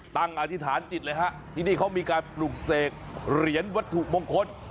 อธิษฐานจิตเลยฮะที่นี่เขามีการปลูกเสกเหรียญวัตถุมงคล